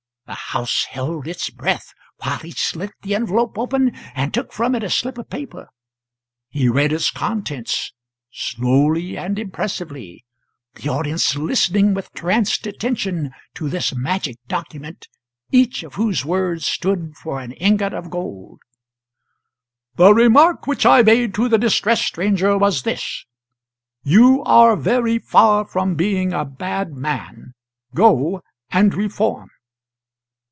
The house held its breath while he slit the envelope open and took from it a slip of paper. He read its contents slowly and impressively the audience listening with tranced attention to this magic document, each of whose words stood for an ingot of gold: "'The remark which I made to the distressed stranger was this: "You are very far from being a bad man; go, and reform."'"